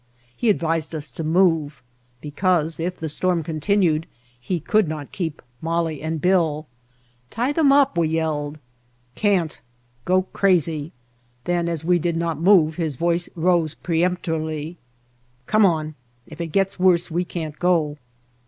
He advised us to move, because if the storm continued he could not keep Molly and Bill. "Tie them up!" we yelled. "Can't. Go crazy." Then, as we did not move, his voice rose peremptorily: "Come on! If it gets worse we can't go."